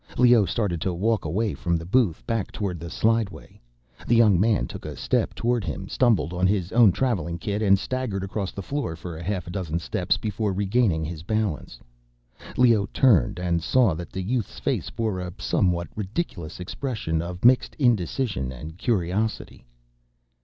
Leoh started to walk away from the booth, back toward the slideway. The young man took a step toward him, stumbled on his own traveling kit, and staggered across the floor for a half dozen steps before regaining his balance. Leoh turned and saw that the youth's face bore a somewhat ridiculous expression of mixed indecision and curiosity.